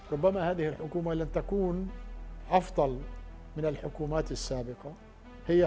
rupanya hukum ini tidak lebih baik dari hukum hukum yang sebelumnya